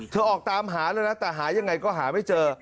เธอออกตามหาแล้วหายังไงก็หาไม่เจอ